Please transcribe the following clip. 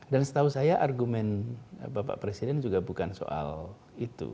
dan setahu saya argumen bapak presiden juga bukan soal itu